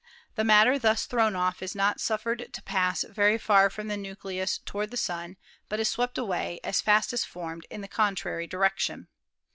The matter thus thrown off is not suffered to pass very far from the nucleus toward the Sun, but is swept away, as fast as formed, in the contrary direction.